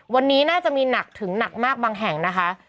วันนี้น่าจะมีหนักถึงหนักมากบางแห่งนะคะ